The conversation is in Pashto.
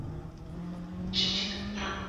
میندواري لنډمهاله اغېز لري.